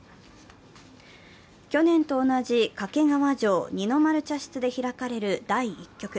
去年と同じ掛川城二の丸茶室で開かれる第１局。